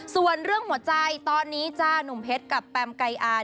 ส่วนเรื่องหัวใจตอนนี้จ้านุ่มเพชรกับแปมไก่อาย